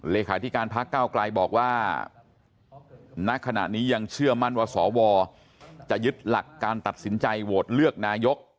เลขาธิการพักก้าวไกลบอกว่าณขณะนี้ยังเชื่อมั่นว่าสวจะยึดหลักการตัดสินใจโหวตเลือกนายก